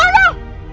saya gak takut